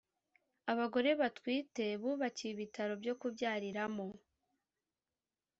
Abagore batwite bubakiwe ibitaro byokubyariramo